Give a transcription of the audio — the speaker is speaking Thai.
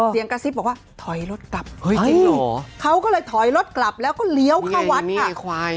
เสียงกระซิบบอกว่าถอยรถกลับเขาก็เลยถอยรถกลับแล้วก็เลี้ยวเข้าวัดค่ะ